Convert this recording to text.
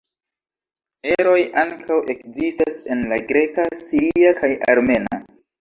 Eroj ankaŭ ekzistas en la greka, siria kaj armena.